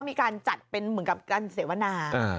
มีการจัดเป็นเหมืองกับกลางศาลีวัณา